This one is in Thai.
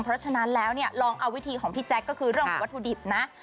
เพราะฉะนั้นแล้วเนี่ยลองเอาวิธีของพี่แจ๊คก็คือเรื่องของวัตถุดิบนะ